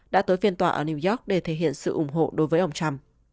đã tới phiên tòa ở new york để thể hiện sự ủng hộ đối với ông trump